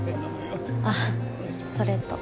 あっそれと。